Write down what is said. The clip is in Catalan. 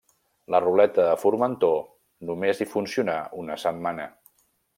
La ruleta a Formentor només hi funcionà una setmana.